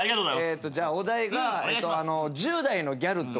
お題が１０代のギャルとか。